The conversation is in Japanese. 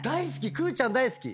くぅちゃん大好き！」